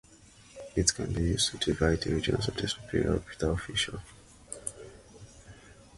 It can be used to divide the regions of the superior orbital fissure.